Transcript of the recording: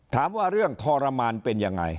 ถามว่าเรื่องทรมานเป็นยังไง